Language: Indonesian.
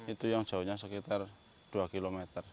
itu yang jauhnya sekitar dua km